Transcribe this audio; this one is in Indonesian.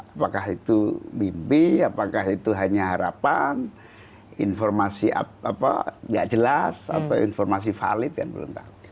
apakah itu mimpi apakah itu hanya harapan informasi tidak jelas atau informasi valid kan belum tahu